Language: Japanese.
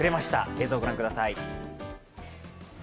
映像をご覧ください。